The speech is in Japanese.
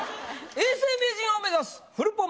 永世名人を目指すフルポン